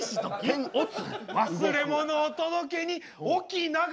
忘れ物を届けにおきなが